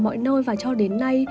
mọi nơi và cho đến nay